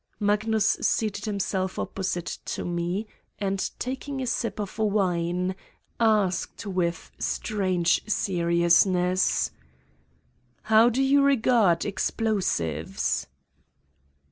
Magnus seated himself opposite me and, tak ing a sip of wine, asked with strange seriousness : "How do you regard explosives?"